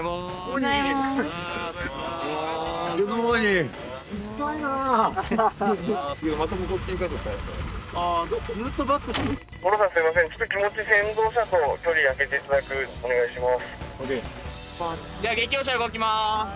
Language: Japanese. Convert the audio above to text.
じゃあ劇用車動きます。